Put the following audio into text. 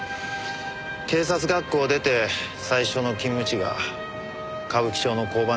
警察学校を出て最初の勤務地が歌舞伎町の交番でしたから。